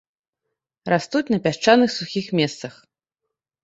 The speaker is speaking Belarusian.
Растуць на пясчаных сухіх месцах.